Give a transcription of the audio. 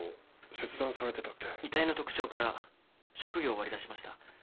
遺体の特徴から職業を割り出しました。